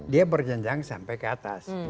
dia berjenjang sampai ke atas